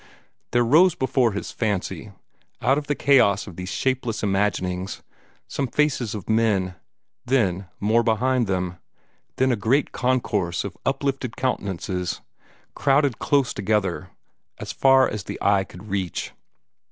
There rose before his fancy, out of the chaos of these shapeless imaginings, some faces of men, then more behind them, then a great concourse of uplifted countenances, crowded close together as far as the eye could reach.